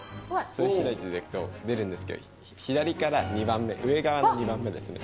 それを開いて頂くと出るんですけど左から２番目上側の２番目ですね